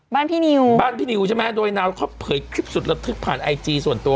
พี่นิวบ้านพี่นิวใช่ไหมโดยนาวเขาเผยคลิปสุดระทึกผ่านไอจีส่วนตัว